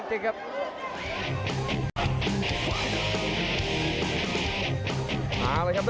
ภายใกล้ครับท่านผู้ชมครับ